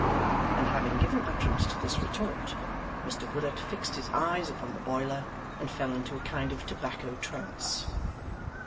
And having given utterance to this retort, Mr Willet fixed his eyes upon the boiler, and fell into a kind of tobacco trance.